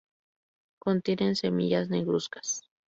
Contienen semillas negruzcas.